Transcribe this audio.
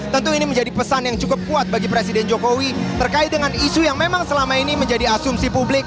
tentu ini menjadi pesan yang cukup kuat bagi presiden jokowi terkait dengan isu yang memang selama ini menjadi asumsi publik